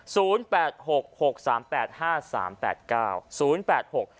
แปดหกหกสามแปดห้าสามแปดเก้าศูนย์แปดหก